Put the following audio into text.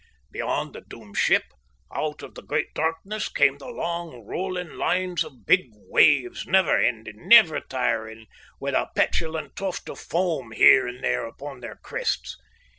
Beyond the doomed ship, out of the great darkness came the long, rolling lines of big waves, never ending, never tiring, with a petulant tuft of foam here and there upon their crests.